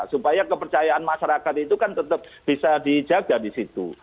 supaya kepercayaan masyarakat itu kan tetap bisa dijaga disitu